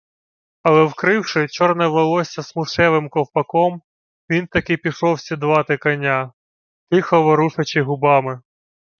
Але, вкривши чорне волосся смушевим ковпаком, він таки пішов сідлати коня, тихо ворушачи губами.